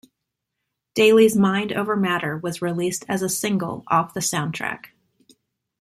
Daily's "Mind Over Matter" was released as a single off the soundtrack.